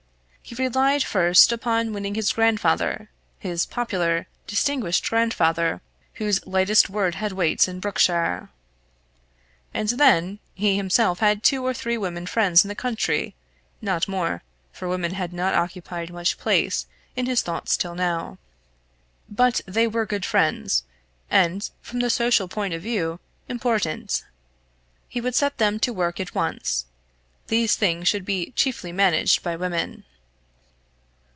He relied first upon winning his grandfather his popular distinguished grandfather, whose lightest word had weight in Brookshire. And then, he himself had two or three women friends in the county not more, for women had not occupied much place in his thoughts till now. But they were good friends, and, from the social point of view, important. He would set them to work at once. These things should be chiefly managed by women.